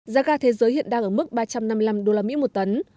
giá ga thế giới hiện đang ở mức ba trăm năm mươi năm usd một tấn